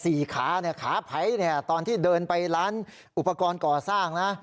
สี่ขาขาไผ่ตอนที่เดินไปร้านอุปกรณ์ก่อสร้างนะ